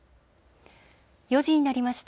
４時になりました。